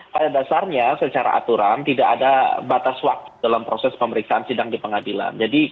pada dasarnya secara aturan tidak ada batas waktu dalam proses pemeriksaan sidang di pengadilan